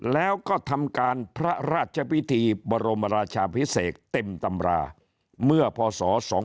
แล้วก็ทำการพระราชพิธีบรมราชาพิเศษเต็มตำราเมื่อพศ๒๕๖